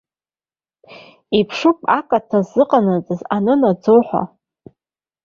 Иԥшуп акаҭа ззыҟанаҵаз анынаӡо ҳәа.